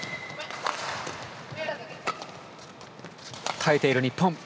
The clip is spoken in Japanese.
耐えている日本。